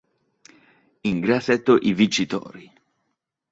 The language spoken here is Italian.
In grassetto i vincitori.